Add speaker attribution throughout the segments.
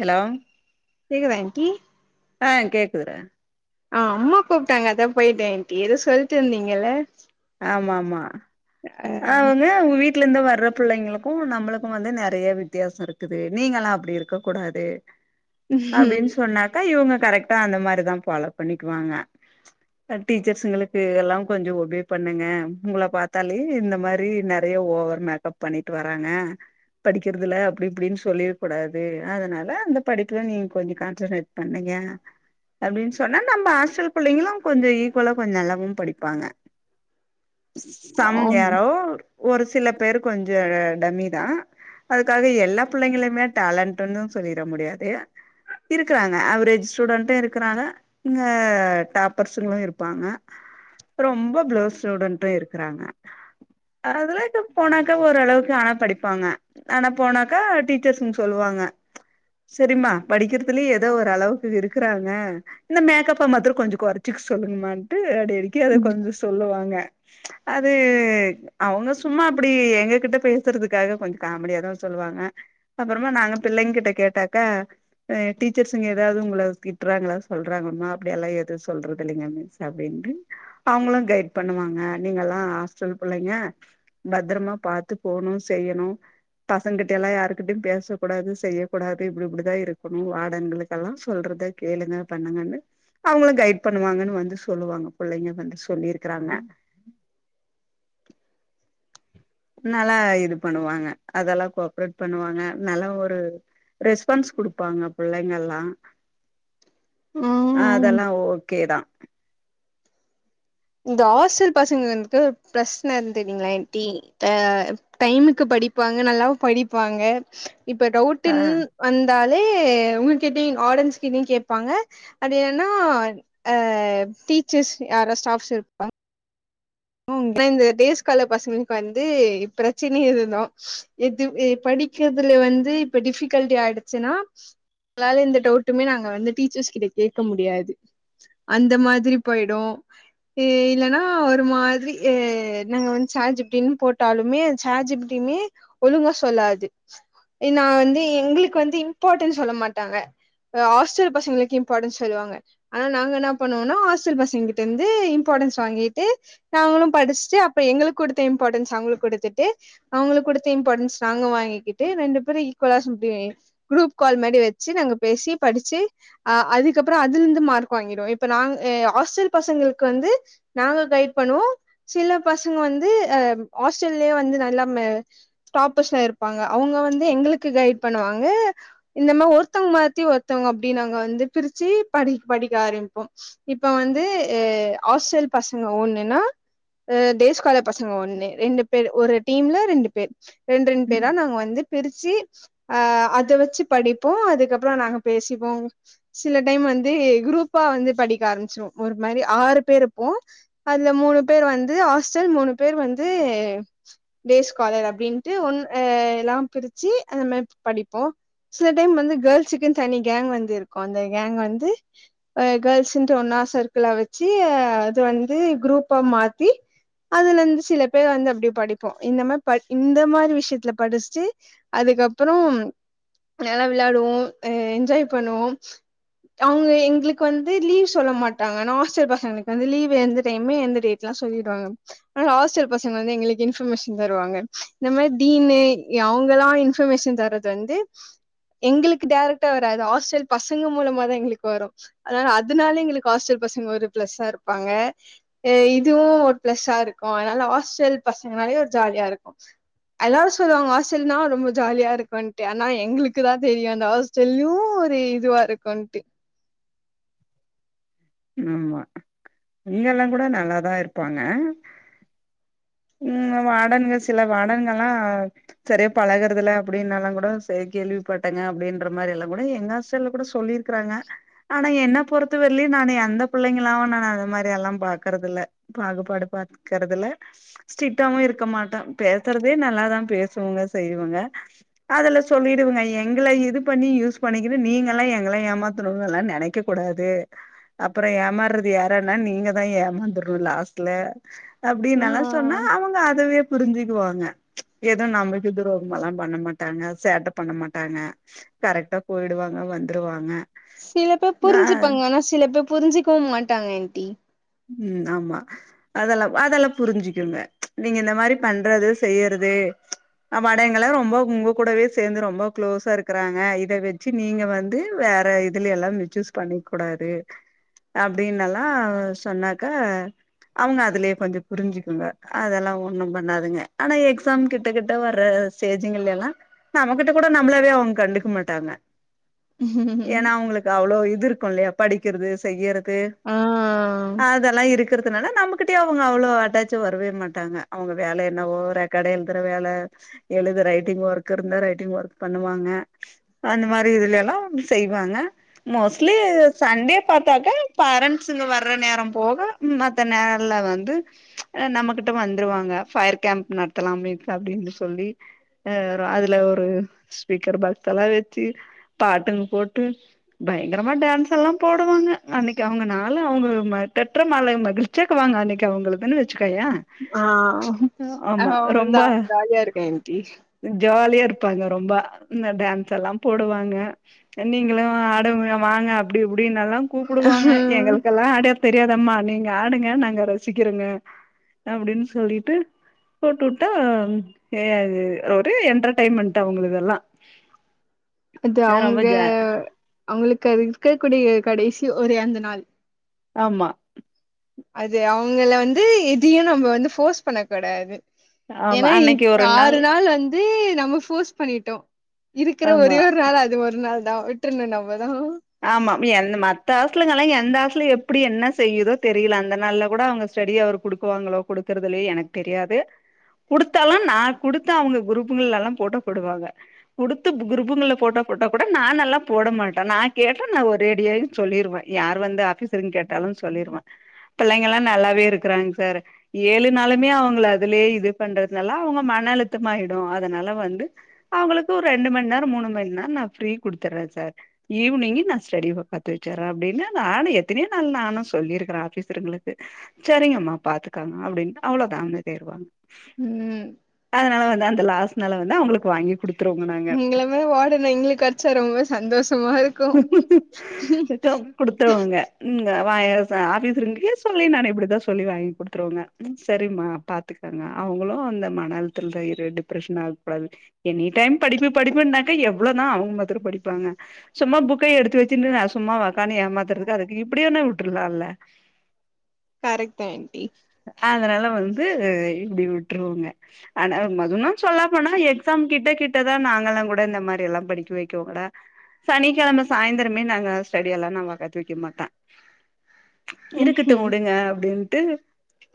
Speaker 1: hello
Speaker 2: கேக்குதா aunty
Speaker 1: அ கேக்குதுர
Speaker 2: அ அம்மா கூப்ட்டாங்க அதா பொய்ட்டே ஆன்ட்டி எதோ சொல்ட்டுருந்தீங்கள்ள
Speaker 1: ஆமாமா அ வந்து ஒங்க வீட் ட்லந்து வர்ற புள்ளங்களுக்கு நம்புளுக்கு வந்து நெறைய வித்தியாசருக்குது நீங்களா அப்டி இருக்ககூடாது அப்டின் சொன்னாக்க இவுங்க கரெக்டா அந்த மாரிதா ஃபாலோ பண்ணிக்குவாங்க அ டீச்சர்ஸ்ஸுங்களுக்கு எல்லா கொஞ்சொ ஒபே பண்ணுங்க ஒங்கள பாத்தா லே இந்த மாரி நெறைய ஓவர் மேக்கப்பண்ணிட் வராங்க படிக்கிறதுல அப்டி இப்டின் சொல்லிறக்கூடாது அதுனால அந்த படிப்புல நீங்க கொஞ்சோ கான்சன்டரேட் பண்ணுங்க அப்டின் சொன்னா நம்ப ஆஸ்டல் புள்ளைங்களு கொஞ்சொ ஈக்வலா கொஞ்சொ நல்லாவு படிப்பாங்க சம்
Speaker 2: ஆம்
Speaker 1: யாரோ ர் ஒரு சில பேரு கொஞ்சொ டம்மிதா அதுக்காக எல்லா புள்ளங்கிளுமே டேலன்ட்டுன்னு சொல்லிற முடியாது இருக்குறாங்க ஆவரேஜ் ஸ்டூடண்ட்டு இருக்குறாங்க இங்க டாப்பர்ஸுங்களு இருப்பாங்க அப் ரொம்ப ப்ளோ ஸ்டூடண்ட்டு இருக் றாங்க அதுலா து போனாக்கா ஓரளவுக்கு ஆனா படிப்பாங்க ஆனா போனாக்கா டீச்சர்ஸ்னு சொல்வாங்க செரிமா படிக்குறதுல எதோ ஒரு அளவுக்கு இருக்குறாங்க இந்த மேக்கப்ப மத்துரொ கொஞ்ச கொறச்சுக்க சொல்லுங்கமான்ட்டு அடிஅடிக்கி அத கொஞ்ச சொல்லுவாங்க அதே அவுங்க சும்மா அப்டி எங்ககிட்ட பேசுறதுக்காக கொஞ்ச காமெடியாதா சொல்வாங்க அப்பறமா நாங்க பிள்ளைங் கிட்ட கேட்டாக்கா அ டீச்சர்ஸ்ங்க ஏதாது உங்கள திட்றாங்ளா சொல்றாங்கமா அப்டி எல்லா எது சொல்றதில்லங்க மிஸ் அப்டின்டு அவங்களு கைட் பண்ணுவாங்க நீங்கல்லா ஹாஸ்டல் புள்ளைங்க பத்ரமா பாத்து போணு செய்யணு பசங்கிட்ட ல்லா யார்ட்டயு பேசக் கூடாது செய்யக்கூடாது இப்டி இப்டிதா இருக்கணு வாடன்களுக் எல்லா சொல்றத கேளுங்க பண்ணுங்கன்னு அவங்களு கைட் பண்ணுவாங்கன்னு வந்து சொல்லுவாங்க பிள்ளைங்க வந்து சொல்லியிருக்குறாங்க நல்லா இது பண்ணுவாங்க அதெல்லா கோப்ரேட் பண்ணுவாங்க நல்லா ஒரு ரெஸ்பான்ஸ் குடுப்பாங்க புள்ளைங்கல்லா
Speaker 2: ம்
Speaker 1: அதெல்லா ஓகே தா
Speaker 2: இந்த ஹாஸ்டல் பசங்க வந்து பிரஸ் னன் தெரிங்ளா ஆன்ட்டி ஆ டைமுக்கு படிப்பாங்க நல்லாவு படிப்பாங்க இப்ப
Speaker 1: ஆ
Speaker 2: டவுட்டுன் வந்தாலே உங்க கிட்டயு ஆடன்ஸ் கிட்டயு கேப்பாங்க அது ஏனா அ டீச்சர்ஸ் யார ஸ்டாப்ஸ் இருப்பாங்க இந்த டேஸ் காலர் பசங்களுக்கு வந்து பிரச்சனையே இதுதா எது படி படிக்கிறதுல வந்து இப்ப டிஃபிகல்ட்டி ஆய்டுச்சுன்னா அதாது இந்த டவுட்டுமே நாங்க வந்து டீச்சர்ஸ் கிட்ட கேக்க முடியாது அந்த மாதிரி போய்டு இல்லன்னா ஒரு மா ஆ நாங்க வந்து சேட் ஜி பிடி ன்னு போட்டாலுமே சேட் ஜி பிடி ம்மே ஒழுங்க சொல்லாது நா வந்து எங்களுக்கு வந்து இம்பாட்டன்ஸ் சொல்ல மாட்டாங்க ஆஸ்டல் பசங்களுக்கு இம்பாட்டன்ஸ் சொல்வாங்க ஆனா நாங்க என்ன பண்ணுவோனா ஹாஸ்டல் பஸ்ங்கிட்ட ருந்து இம்பாட்டன்ஸ் வாங்கிட்டு நாங்களு படிஸ்ட்டு அப்ப எங்களுக் கொடுத்த இம்பாட்டன்ஸ் அவங்களுக் கொடுத்துட்டு அவங்களுக் கொடுத்த இம்பாடன்ஸ் நாங்க வாங்கிக்கிட்டு ரெண்டு பேரு ஈக்வலா ஸம்ட்டி குரூப் கால் மாரி வச்சி நாங்க பேசி படிச்சி அ அதுக்கப்றொ அதுலந்து மார்க் வாங்கிடுவோ இப்ப நாங்க ஆஸ்டல் பசங்களுக்கு வந்து நாங்க கைட் பண்ணுவோ சில பசங்க வந்து அ ஆஸ்டல்லையே வந்து நல்லா ஸ்டாபர்ஸ்ல இருப்பாங்க அவங்க வந்து எங்களுக்கு கைட் பண்ணுவாங்க இந்த மாரி ஒருத்தங்க மாத்தி ஒருத்தங்க அப்டி நாங்க வந்து பிரிச்சு படி படிக்க ஆரம்மிப்போ இப்ப வந்து ஆஸ்டேல் பசங்க ஒண்ணு ன்னா அ டேஸ் காலர் பசங்க ஒண்ணு ரெண்டு பேர் ஒரு டீம்ல ரெண்டு பேர் ரெண் ட்ரெண்
Speaker 1: ம்
Speaker 2: பேரா நாங்க வந்து பிரிச்சு அ அத வச்சு படிப்போ அதுக்கப்றொ நாங்க பேசிப்பொ சில டைம் வந்து குரூப்பா வந்து படிக்க ஆரம்பிச்ருவோ ஒரு மாரி ஆறு பேர் ருப்போ அதுல மூணு பேர் வந்து ஆஸ்டல் மூணு பேர் வந்து டேஸ் காலர் அப்டின்ட்டு ஒன் எல்லா பிரிச்சு அந்த மாரி படிப்போ சில டைம் வந்து கேள்ஸ்ஸுக்குனு தனி கேங் வந்து இருக்கு அந்த கேங் வந்து அ கேள்ஸுன்ற ஒன்னா சர்க்கிளா வெச்சு அ அது வந்து குரூப்பா மாத்தி அதுலெந்து சில பேர் வந்து அப்டே படிப்போ இந்த மா ப இந்த மாரி விஷயத்ல படிஷ்ட்டு அதுக்கப்புறோம் நல்லா விளாடுவோ அ என்ஜாய் பண்ணுவோம் அவுங்க எங்களுக்ஃ வந்து லீவ் சொல்ல மாட்டாங்க ஆனா ஹாஸ்டல் பசங்களுக்கு வந்து லீவ் எந் தயுமே எந்த டேட்லா சொல்லிடுவாங்க அத்னால ஹாஸ்டல் பசங்க வந்து எங்களுக்கு இன்ஃபமேஷன் தருவாங்க இந்த மாரி டீனு அவுங்கல்லா இன்ஃபமேஷன் தர து வந்து எங்களுக்கு டேரக்டா வராது ஹாஸ்டல் பசங்க மூலமா தா எங்களுக்கு வரு அதனால அதனால எங்களுக்கு ஹாஸ்டல் பசங்க ஒரு ப்ளஸ்சா இருப்பாங்க எ இதுவு ஒரு ப்ளஸ்சா இருக்கு அதனால ஹாஸ்டல் பசங்கனாலே ஒரு ஜாலியா இருக்கு எல்லாரு சொல்லுவாங்க ஹஸ்டல்ன்னா ரொம்ப ஜாலியா இருக்குன்ட்டு ஆனா எங்களுக்குதா தெரியு அந்த ஹாஸ் டல்யு ஒரு இதுவா இருக்குன்ட்டு
Speaker 1: ஆமா இங்கெல்லாங்கூட நல்லாதா இருப்பாங்க ம் வாடன்கள் சில வாடன்கள்லா செரியா பழகுறதுல அப்படின்னல்லங்கூட செ அவ கேள்விப்பட்டேங்க அப்படின்ற மாரியெல்லா கூட எங்க ஹாஸ்டல்ல கூட சொல்லிரு க்குறாங்க ஆனா என்ன பொறுத்த வர்லியு நானு எந்த புள்ளைங்களாவு நானு அது மாரியெல்லாம் பாக்குறதில்ல பாகுபாடு பாக்கறதில்ல ஸ்டிட்டாவு இருக்க மாட்டே பேசுறதே நல்லாதா பேசுவங்க செய்வங்க அதுல சொல்லிடுவங்க எங்கள இது பண்ணி யூஸ் பண்ணிக்கிட்டு நீங்கெல்லா எங்கள ஏமாத்தணுனல்லா நெனைக்க கூடாது அப்புறோ ஏமாற்றது யாரன்னா நீங்கதா ஏமாந்துர்னு லாஸ்ட்ல அப்டின்னல்லா சொன்னா
Speaker 2: ஆ
Speaker 1: அவுங்க அதவே புரிஞ்சுக்குவாங்க எது நமக்கு துரோகமல்லா பண்ண மாட்டாங்க சேட்ட பண்ண மாட்டாங்க கரெக்ட்டா போய்டுவாங்க வந்துருவாங்க
Speaker 2: சில பேர்
Speaker 1: ஆ
Speaker 2: புரிஞ்சுப்பாங்க ஆனா சில பேர் புரிஞ்சிக்குவு மாட்டாங்க ஆன்டி
Speaker 1: ம் ஆமா அதெல்லா அதெல்லா புரிஞ்சுக்குங்க நீங்க இந்த மாரி பண்றது செய்யறது அ மடையங்கள ரொம்போ உங்க கூடவே சேந்து ரொம்ப கு்ளோஸா இருக்குறாங்க இத வெச்சு நீங்க வந்து வேற இதுலயெல்லா மிச்யூஸ் பண்ணிக் கூடாது அப்டின்னல்லா சொன்னாக்கா அவுங்க அதுலியே கொஞ்ச புரிஞ்சுக்குங்க அதெல்லா ஒண்ணும் பண்ணாதுங்க ஆனா எக்ஸாம் கிட்ட கிட்ட வர சேஜிங்கல்லையெல்லா நம்மகிட்ட கூட நம்மளவே அவுங்க கண்டுக்க மாட்டாங்க ஏனா அவுங்களுக்கு அவ்ளோ இது இருக்கு இல்லையா படிக்கிறது செய்யறது
Speaker 2: ஆ
Speaker 1: அதெல்லா இருக்கிறது னால நம்மகிட்டயே அவுங்க அவ்ளோ அட்டாச்சு வரவே மாட்டாங்க அவுங்க வேல என்னவோ ரெக்காடு எழுதுற வேல எழுத ரைட்டிங் ஒர்க் இருந்தா ரைட்டிங் ஒர்க் பண்ணுவாங்க அந்த மாரி இதுல எல்லா செய்வாங்க மோஸ்ட்லி சண்டே பாத்தாக்கா பேரண்ட்ஸுங்க வ ர நேரம் போக மத்த நேர்ல வந்து ஆ நம்மகிட்ட வந்துருவாங்க ஃபயர் கேம்ப் நடத்தலாமே அப்டினு சொல்லி அ ர அதுல ஒரு ஸ்பீக்கர் பாக்ஸ் எல்லா வெச்சு பாட்டுங்க போட்டு பயங்கரமா டான்ஸ் எல்லா போடுவாங்க அன்னைக்கு அவுங்க நாளு அவுங்க மார் [unintelligible] ற்ற மாலை மகிழ்ச்சியாக்குவாங்க அன்னைக்கு அவுங்களுக்குன்னு வெச்சுக்கேயே
Speaker 2: ஆ அவ்ளோ
Speaker 1: ரொம்ப
Speaker 2: ஜா ஜாலியா இருக்க ஆன்டி
Speaker 1: ஜாலியா இருப்பாங்க ரொம்ப இந்த டான்ஸெல்லாம் போடுவாங்க நீங்களு ஆடவ் வாங்க அப்புடி இப்புடின்னல்லா கூப்புடுவாங்க எங்களுக்கெல்லா ஆட தெரியாதம்மா நீங்க ஆடுங்க நாங்க ரசிக்கிறோங்க அப்படின் சொல்லிட்டு போட்டுவிட்டா ஒரு என்டர்டெயன்மெண்ட் அவங்களதெல்லாம்
Speaker 2: அது அவங்க
Speaker 1: ஜா
Speaker 2: அவங்களுக்கு அது இருக்கக்கூடிய கடைசி ஒரே அந்த நாள்
Speaker 1: ஆமா
Speaker 2: அது அவங்க வந்து எதையும் நம்ம வந்து போர்ஸ் பண்ணக்கூடாது
Speaker 1: ஆமா
Speaker 2: ஏன்னா
Speaker 1: அன்னைக்கு ஒரு
Speaker 2: ஆறு நாள் அஞ்ச நம்ம போர்ஸ் பண்ணிட்டோம் இருக்கிற
Speaker 1: ஆமா
Speaker 2: ஒரே ஒரு நாள் அது ஒரு நாள் தான் விற்றனும் நம்பதான்
Speaker 1: ஆமா மத்த ஹாஸ்டலுங்கலாம் எந்த ஹாஸ்டலும் எப்படி என்ன செய்தோ தெரியலை அந்த நாள்ல கூட அவங்க ஸ்டடி அவர் கொடுக்குவான்களோ கொடுக்கிறது இல்லையோ எனக்கு தெரியாது கொடுத்தாலும் நான் கொடுத்த அவங்க குரூப்புகள் எல்லாம் போட்ட போடுவாங்க கொடுத்து குருபுங்க போட்டோ போட்டா கூட நான் எல்லாம் போட மாட்டேன் நான் கேட்ட நான் ஒரேடியையும் சொல்லிருவேன் யார் வந்து ஆபீஸ் ரூம் கேட்டாலும் சொல்லிருவேன் பிள்ளைங்க எல்லாம் நல்லாவே இருக்கறாங்க சார் ஏழு நாளுமே அவங்க அதுலயே இது பண்றதுனால அவங்க மன அழுத்தமாயிடும் அதனால வந்து அவங்களுக்கு ஒரு ரெண்டு மணி நேரம் மூணுமணி நேரம் நான் ப்ரீ குடுத்துடுறேன் சார் ஈவினிங்க் நான் ஸ்டடி பாத்து வச்சேன் அப்படின்னா நானும் எத்தனையோ நாள் நானும்ல்லிருக்கறேன் ஆபீஸருங்களுக்கு சரிங்கம்மா பாத்துக்காங்க அப்பிடின்னு அவ்ளோ தா அமைதியா ஆயிருவாங்க
Speaker 2: ம்
Speaker 1: அதனால வந்து அந்த லாஸ்டனால வந்து அவுங்களுக்கு வாங்கி குடுத்
Speaker 2: உங்கமே ஓடன எங்களுக்கு அடிச்சா ரொம்ப சந்தோஷமா இருக்கு ம்
Speaker 1: குடுத்துருவுங்க ஆபீஸ் இருங்கயே சொல்லி நா இப்படிதா சொல்லி வாங்கி குடுத்துருவோங்க சரிம்மா பாத்துக்காங்க அவுங்களு அந்த மன அலுத்துல த டிப்ரெஷன் ஆக கூடாது எனி டைம் படிப்பு படிப்புனாக்கா எவ்ளோவுதா அவுங்க மாத்திர படிப்பாங்க சும்மா புக்க எடுத்து வச்சிட்டு நா சும்மா உக்கானு ஏமாத்துறதுக்கு அதுக்கு இப்பிடியேன்னே விட்டுருலால
Speaker 2: கரெட் தா ஆண்டி
Speaker 1: அதனால வந்து இப்பிடி விட்ருவோங்க ஆனா மதல்லு சொல்ல போனா எக்ஸாம் கிட்ட கிட்டதா நாங்களா கூட இந்த மாரி எல்லா படிக்க வைக்கோ கூட சனிக்கிழம சாயந்திரமே நாங்க ஸ்டடி எல்லா நா உக்காத்துக்க மாட்டே இருக்குட்டு
Speaker 2: ம்ஹும்
Speaker 1: உடுங்க அப்பிடின்ட்டு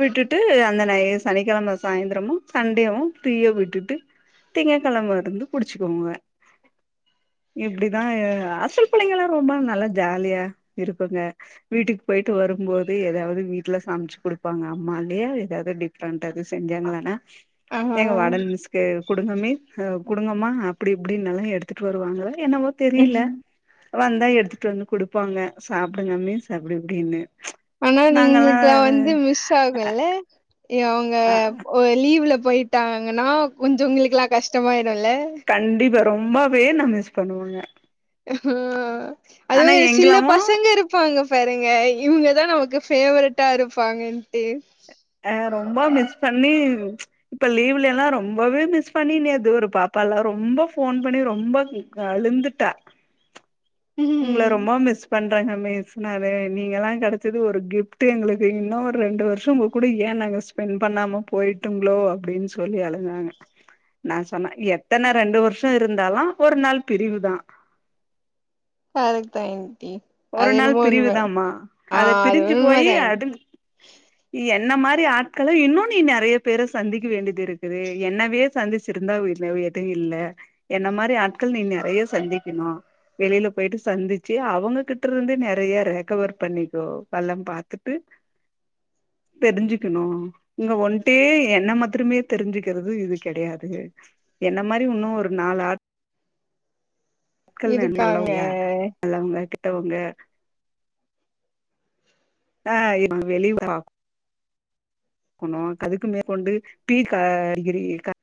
Speaker 1: விட்டுட்டு அந்த ந சனிக்கிழம சாயந்திரம சண்டையு தீய விட்டுட்டு திங்கட்கிழம இருந்து புடிச்சுக்கோங்க இப்பிடி அதா ஆஸ்டெல் பிள்ளைங்களா ரொம்ப நல்லா ஜாலியா இருப்போங்க வீட்டுக்கு போயிட்டு வரும்போது எதாவது வீட்டுல சமச்சு குடுப்பாங்க அம்மாலையே ஏதாவது டிப்ரெண்டா செஞ்சாங்களானா
Speaker 2: ஆ
Speaker 1: எங்க வாடன் மிஸ்சுக்கு குடுங்கமே அ குடுங்கமா அப்பிடி இப்பிடின்னாலு எடுத்துட்டு வருவாங்க என்னவோ தெரியில வந்தா எடுத்துட்டு வந்து குடுப்பாங்க சாப்பிடுங்க மிஸ் அப்புடி இப்பிடின்னு
Speaker 2: ஆனா நீங்களுக்கெல்லா வந்து மிஸ் ஆகுல்ல அவுங்க
Speaker 1: அ
Speaker 2: லீவ்ல போயிட் விட்டாங்கன்னா கொஞ்ச உங்குளுக்கெல்லா கஷ்டமா ஆயிருல
Speaker 1: கண்டிப்பா ரொம்பவே நா மிஸ் பண்ணுவோங்க
Speaker 2: ஹ அது சில
Speaker 1: எங்களாவு
Speaker 2: பசங்க இருக் சரிங்க சரிங்க இவுங்கதா நமக்கு பேவரட்டா இருப்பாங்கன்ட்டு
Speaker 1: அ ரொம்ப மிஸ் பண்ணி இப்ப லீவ்ல எல்லா ரொம்பவே மிஸ் பண்ணினே அது ஒரு பாப்பா எல்லா ரொம்ப போன் பண்ணி ரொம்ப கழுந்துட்டா உங்ள
Speaker 2: ம்
Speaker 1: ரொம்பா மிஸ் பண் றங்க மிஸ் நானு நீங்களா கெடச்சது ஒரு கிஃப்ட்டு எங்ளுக்கு இன்னு ஒரு ரெண்டு வர்ஷோ உங்ககூட ஏன் நாங்க ஸ்பெண் பண்ணாம போய்ட்டுங்ளோ அப்டின் சொல்லி அழுதாங்க நா சொன்ன எத்தன ரெண்டு வர்ஷோ இருந்தாலு ஒரு நாள் பிரிவுதா
Speaker 2: கரெக்ட்தா ஆண்டி
Speaker 1: ஒரு
Speaker 2: அது
Speaker 1: நாள்
Speaker 2: என்னமோ உண்ம
Speaker 1: பிரிவுதாமா
Speaker 2: ஆ
Speaker 1: அத
Speaker 2: அது உண்மதே ஹ [inaudible]
Speaker 1: நீ என்ன மாரி ஆட்கள இன்னு நீ நெறைய பேர சந்திக்க வேண்டிது இருக்குது என்னவே சந்திச்சிருந்தா வீட்லேவு எது இல்ல என்ன மாரி ஆட்கள் நீ நெறைய சந்திக்கணு வெளில போய்ட்டு சந்திச்சு அவுங்ககிட்ட இருந்து நெறைய ரெக்கவர் பண்ணிக்கோ பல்லம் பாத்துட்டு தெரிஞ்சுக்கிணுனு இங்க ஒன்ட்டே என்ன மாத்துருமே தெரிஞ்சுக்கறது இது கெடையாது என்ன மாரி உன்னு ஒரு நாலு ஆ ட்கள் வேணு
Speaker 2: இருக்காங்க
Speaker 1: நல்லவுங்ய நல்லவுங்க கெட்டவுங்க தா இது வெளியுங்கா புனு அதுக்கு மேற்கொண்டு டீ கா அடிக்காடி கா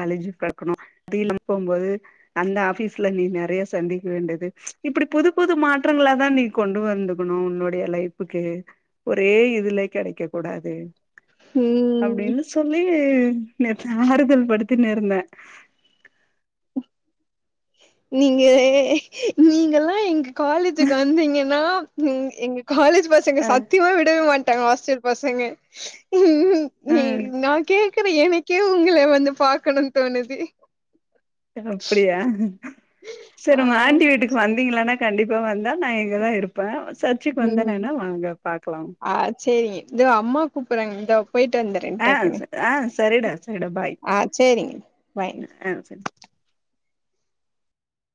Speaker 1: காலேஜு பாக்கணு தீல் அனுப்புமோது அந்த ஆபிஸ்ல நீ நெறையா சந்திக்க வேண்டிது இப்புடி புது புது மாற்றங்குளாதா நீ கொண்டு வந்துக்குணு உன்னுடைய லைப்புக்கு ஒரே இதுல கெடைக்க கூடாது
Speaker 2: ம்
Speaker 1: அப்டீனு சொல்லி நேத்து ஆறுதல் படுத்தின்னிருந்த
Speaker 2: நீங்க நீங்கல்லா எங்க காலேஜுக் வந்தீங்கனா ம் எங்க காலேஜ் பசங்க
Speaker 1: அ
Speaker 2: சத்திமா விடவே மாட்டாங்க ஹாஸ்டல் பசங்க ம் ம்
Speaker 1: அ
Speaker 2: நீ நான் கேக்குற எனக்கே உங்கள வந்து பாக்கணுன் தோணுது
Speaker 1: அப்டியா
Speaker 2: ஆ
Speaker 1: செரி உங்க ஆண்ட்டி வீட்டுக் வந்தீங்குளானா கண்டிப்பா வந்தா நான் இங்கதா இருப்ப சர்சுக்கு
Speaker 2: ம்
Speaker 1: வந்தனனா வாங்க பாக்லா
Speaker 2: ஆ சேரிங்க இது அம்மா கூப்புறாங்க இந்தா போய்ட்டு வந்துறே
Speaker 1: ஆ
Speaker 2: டக்குனு
Speaker 1: ஆ சரிடா சரிடா பாய்
Speaker 2: ஆ சேரிங் பாய்
Speaker 1: ஆ சரி